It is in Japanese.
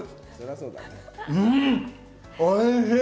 うん、おいしい！